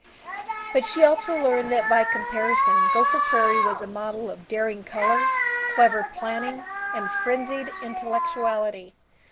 But she also learned that by comparison Gopher Prairie was a model of daring color, clever planning, and frenzied intellectuality.